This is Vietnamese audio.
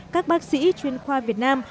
các bác sĩ chuyên khoa việt nam